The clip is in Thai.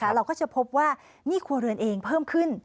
เราก็จะพบว่าหนี้ครัวเรือนเองเพิ่มขึ้น